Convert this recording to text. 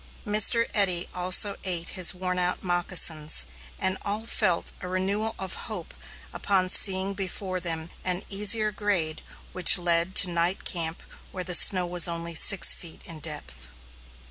Mr. Eddy also ate his worn out moccasins, and all felt a renewal of hope upon seeing before them an easier grade which led to night camp where the snow was only six feet in depth.